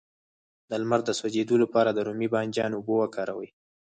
د لمر د سوځیدو لپاره د رومي بانجان اوبه وکاروئ